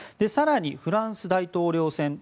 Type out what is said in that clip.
更に、フランス大統領選